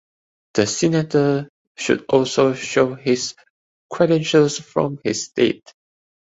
The senator should also show his credentials from his state.